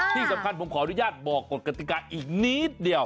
ที่สำคัญผมขออนุญาตบอกกฎกติกาอีกนิดเดียว